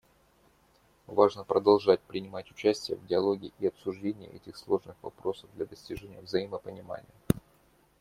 Важно продолжать принимать участие в диалоге и обсуждении этих сложных вопросов для достижения взаимопонимания.